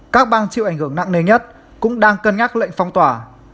các bang chịu ảnh hưởng nặng nề nhất cũng đang cân nhắc lệnh phong tỏa